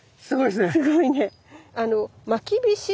すごいね。